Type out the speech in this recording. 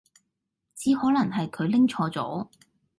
只可能係佢拎錯咗